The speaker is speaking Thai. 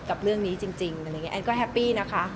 กับเรื่องนี้จริงอะไรอย่างนี้แอนก็แฮปปี้นะคะ